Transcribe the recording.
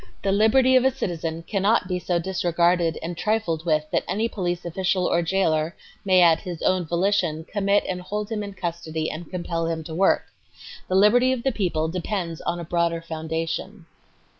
The liberty of a citizen cannot be so disregarded and trifled with that any police official or jailer may at his own volition, commit and hold him in custody and compel him to work. The liberty of the people depends upon a broader foundation."